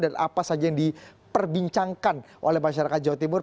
dan apa saja yang diperbincangkan oleh masyarakat jawa timur